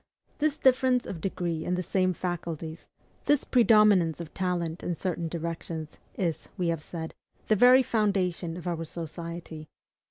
This difference of degree in the same faculties, this predominance of talent in certain directions, is, we have said, the very foundation of our society.